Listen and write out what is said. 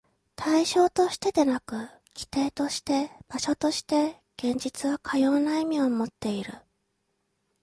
対象としてでなく、基底として、場所として、現実はかような意味をもっている。